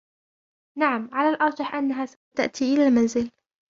نعم ، على الأرجح أنها سوف تأتي إلى المنزل.